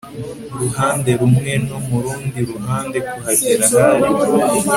ruhande rumwe no mu rundi ruhande kuhagera hari